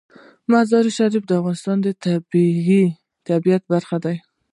مزارشریف د افغانستان د طبیعت برخه ده.